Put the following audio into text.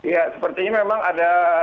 ya sepertinya memang ada